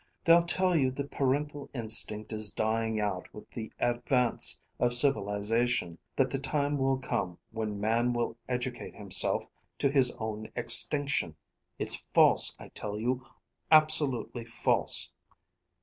They'll tell you the parental instinct is dying out with the advance of civilization; that the time will come when man will educate himself to his own extinction. It's false, I tell you, absolutely false."